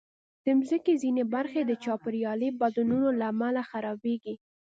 د مځکې ځینې برخې د چاپېریالي بدلونونو له امله خرابېږي.